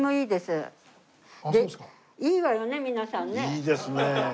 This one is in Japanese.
いいですねえ。